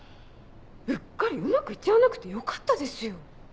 うっかりうまく行っちゃわなくてよかったですよ。